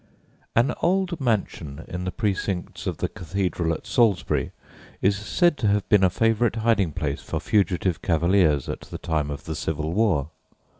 An old mansion in the precincts of the cathedral at Salisbury is said to have been a favourite hiding place for fugitive cavaliers at the time of the Civil War.